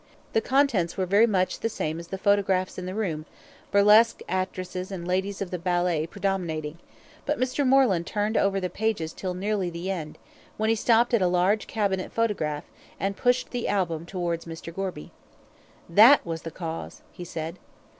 The contents were very much the same as the photographs in the room, burlesque actresses and ladies of the ballet predominating; but Mr. Moreland turned over the pages till nearly the end, when he stopped at a large cabinet photograph, and pushed the album towards Mr. Gorby. "That was the cause," he said.